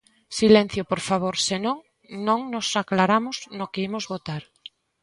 Silencio, por favor, se non, non nos aclaramos no que imos votar.